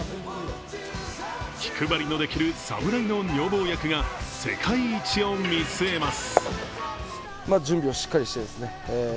気配りのできる侍の女房役が世界一を見据えます。